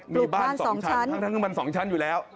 มีบ้านสองชั้นทั้งบ้านสองชั้นอยู่แล้ว